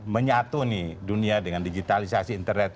menyatu nih dunia dengan digitalisasi internet